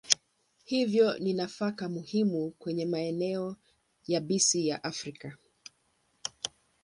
Hivyo ni nafaka muhimu kwenye maeneo yabisi ya Afrika.